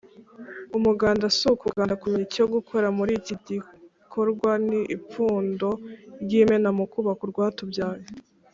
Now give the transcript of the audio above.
umuganda si ukuganda, kumenya icyo gukora muri iki gikorwa ni ipfundo ry’imena mu kubaka urwatubyaye